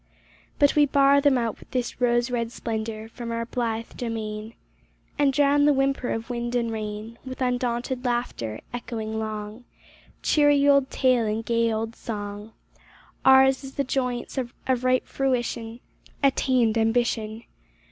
But we bar them out with this rose red splendor From our blithe domain. And drown the whimper of wind and rain With undaunted laughter, echoing long, Cheery old tale and gay old song; Ours is the joyance of ripe fruition, Attained ambition.